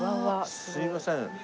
すいません。